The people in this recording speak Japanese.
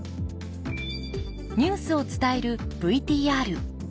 ニュースを伝えるＶＴＲ。